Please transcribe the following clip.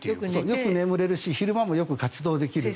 よく眠れるし昼間もよく活動できる。